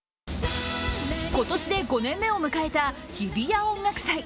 今年で５年目を迎えた日比谷音楽祭。